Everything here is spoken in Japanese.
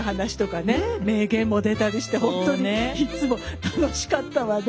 名言も出たりして本当にいつも楽しかったわね。